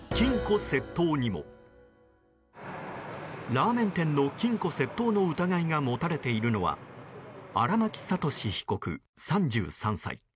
ラーメン店の金庫窃盗の疑いが持たれているのは荒巻悟志被告、３３歳。